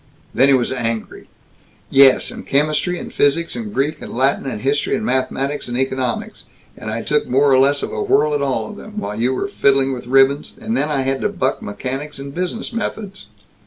Then he was angry. "Yes, and chemistry and physics and Greek and Latin and history and mathematics and economics, and I took more or less of a whirl at all of them, while you were fiddling with ribbons, and then I had to buck mechanics and business methods."